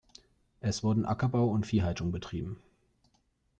Es wurden Ackerbau und Viehhaltung betrieben.